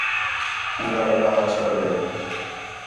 چَنڳا وݙا ہاسٹل ہے